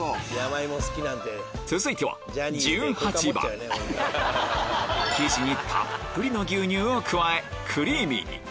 続いては生地にたっぷりの牛乳を加えクリーミーに